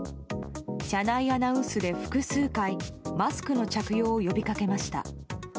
車内アナウンスで複数回マスクの着用を呼びかけました。